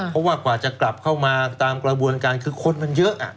เพราะว่ากว่าจะกลับเข้ามาตามกระบวนการคือคนมันเยอะ